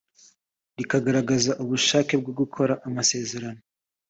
rikagaragaza ubushake bwo gukora amasezerano